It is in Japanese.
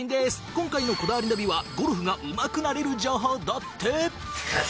今回の『こだわりナビ』はゴルフがうまくなれる情報だって！